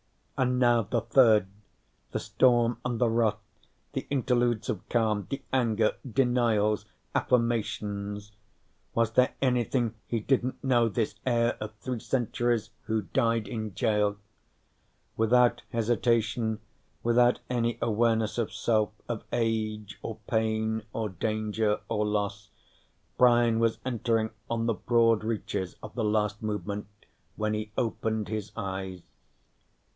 And now the third, the storm and the wrath, the interludes of calm, the anger, denials, affirmations. Was there anything he didn't know, this heir of three centuries who died in jail? Without hesitation, without any awareness of self, of age or pain or danger or loss, Brian was entering on the broad reaches of the last movement when he opened his eyes.